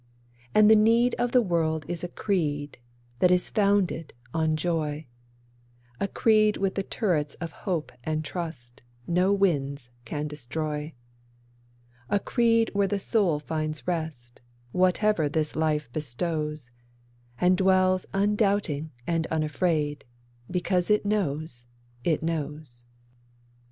And the need of the world is a creed that is founded on joy; A creed with the turrets of hope and trust, no winds can destroy; A creed where the soul finds rest, whatever this life bestows, And dwells undoubting and unafraid, because it knows, it knows.